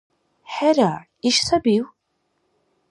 ХӀера, иш сабив?